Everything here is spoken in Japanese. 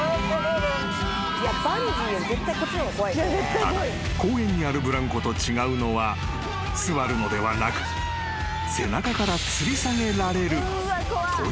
［ただ公園にあるぶらんこと違うのは座るのではなく背中からつり下げられるという点］